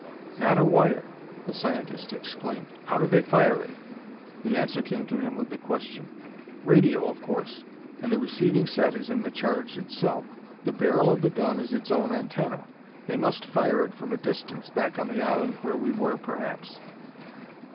"Not a wire!" the scientist exclaimed. "How do they fire it?" The answer came to him with the question. "Radio, of course; and the receiving set is in the charge itself; the barrel of the gun is its own antenna. They must fire it from a distance back on the island where we were, perhaps.